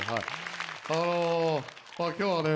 あのまぁ今日はね